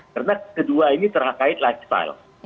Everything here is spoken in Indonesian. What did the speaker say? karena kedua ini terkait lifestyle